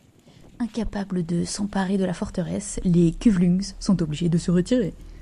Incapable de s'emparer de la forteresse, les Kuvlungs sont obligés de se retirer.